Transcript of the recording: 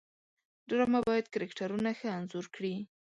ډرامه باید کرکټرونه ښه انځور کړي